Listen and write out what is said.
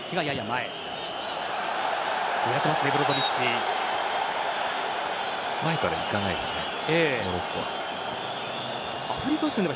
前から行かないですね。